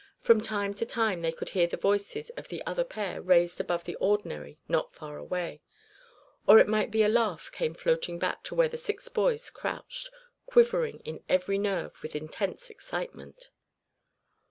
From time to time they could hear the voices of the other pair raised above the ordinary not far away; or it might be a laugh came floating back to where the six boys crouched, quivering in every nerve with intense excitement.